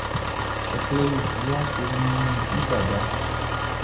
Ɔ klɛli fluwa ko mannin i baba.